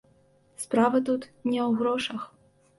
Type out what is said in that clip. Справа тут не ў грошах.